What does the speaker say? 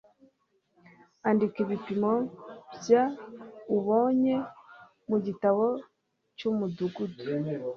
andika ibipimo bya ubonye mu gitabo cy'umudugudu